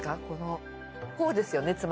このこうですよね